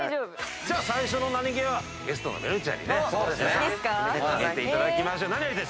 じゃあ最初のナニゲーはゲストのめるるちゃんにね決めていただきましょう。